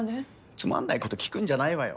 つまんないこと聞くんじゃないわよ。